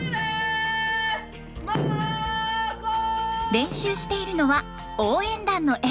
練習しているのは応援団のエール。